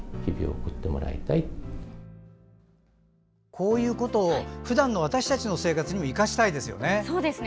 こういうことをふだんの私たちの生活にも生かしたいですよね。